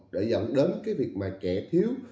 để dẫn đến cái việc mà trẻ thiếu